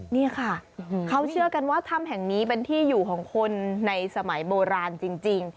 นี่ค่ะเขาเชื่อกันว่าถ้ำแห่งนี้เป็นที่อยู่ของคนในสมัยโบราณจริง